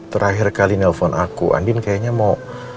terakhir kali nelfon aku andin kayaknya mau